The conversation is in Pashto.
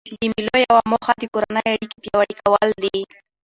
د مېلو یوه موخه د کورنۍ اړیکي پیاوړي کول دي.